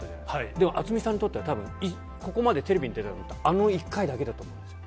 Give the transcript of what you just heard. でも渥美さんにとってはたぶん、ここまでテレビに出たことって、あの１回だけだと思うんですよ。